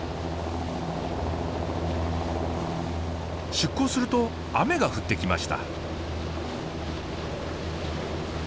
出港すると雨が降ってきました。